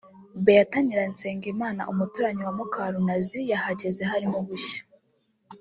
Beatha Nyiransengimana umuturanyi wa Mukarunazi yahageze harimo gushya